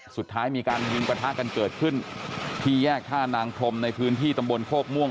สุดท้ายมีการยิงประทะกันเกิดขึ้นที่แยกท่านางพรมในพื้นที่ตำบลโคกม่วง